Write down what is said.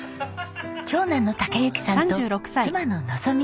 長男の崇之さんと妻ののぞみさん。